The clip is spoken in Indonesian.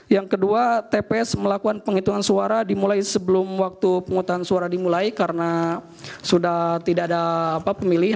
yang kedua tps melakukan penghitungan suara dimulai sebelum waktu penghutang suara dimulai karena sudah tidak ada pemilihan